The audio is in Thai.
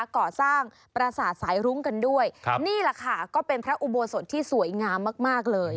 ก่อสร้างประสาทสายรุ้งกันด้วยครับนี่แหละค่ะก็เป็นพระอุโบสถที่สวยงามมากมากเลย